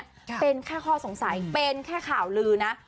ค่ะเป็นแค่ข้อสงสัยเป็นแค่ข่าวลือนะ